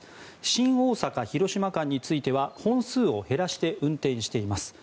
新大阪広島間については本数を減らして運転しています。